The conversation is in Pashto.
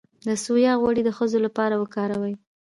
د سویا غوړي د ښځو لپاره وکاروئ